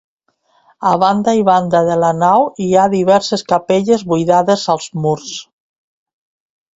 A banda i banda de la nau hi ha diverses capelles buidades als murs.